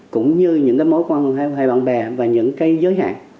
cũng như những mối quan hệ bạn bè và những giới hạn